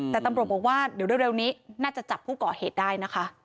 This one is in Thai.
แต่ตำรวจบอกว่าเดี๋ยวเร็วนี้น่าจะจับผู้ก่อเหตุได้นะคะ